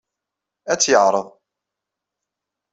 Ad tt-yeɛreḍ.